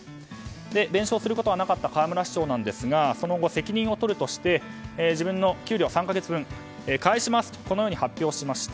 弁償することはなかった河村市長なんですがその後、責任を取るとして自分の給料３か月分を返しますと発表しました。